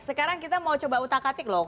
sekarang kita mau coba utakatik loh